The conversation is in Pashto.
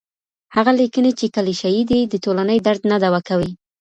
هغه ليکنې چي کليشه يي دي، د ټولني درد نه دوا کوي.